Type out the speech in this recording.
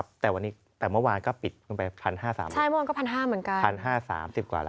๑๕๐๐บาทเลยสามสิบกว่าละ